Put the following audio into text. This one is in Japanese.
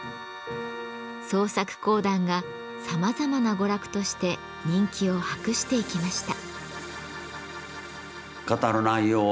創作講談がさまざまな娯楽として人気を博していきました。